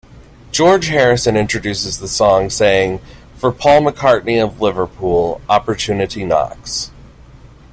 George Harrison introduces the song, saying "For Paul McCartney of Liverpool, opportunity knocks!".